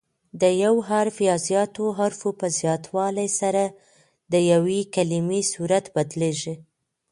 د یو حرف یا زیاتو حروفو په زیاتوالي سره د یوې کلیمې صورت بدلیږي.